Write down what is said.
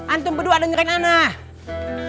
antum berdua ada nyurik anak